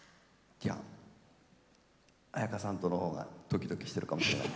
いや綾香さんとの方がドキドキしてるかもしれない。